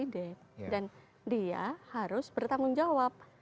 dan dia harus bertanggung jawab